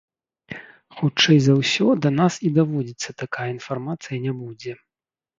Хутчэй за ўсё, да нас і даводзіцца такая інфармацыя не будзе.